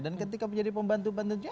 dan ketika menjadi pembantu pembantunya